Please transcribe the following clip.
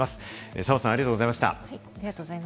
澤さん、ありがとうございました。